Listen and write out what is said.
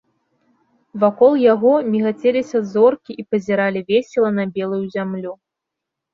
Вакол яго мігацеліся зоркі і пазіралі весела на белую зямлю.